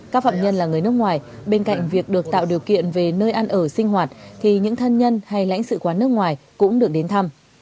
các phạm nhân là người nước ngoài bên cạnh việc được tạo điều kiện về nơi ăn ở sinh hoạt thì những thân nhân hay lãnh sự quán nước ngoài cũng được đến thăm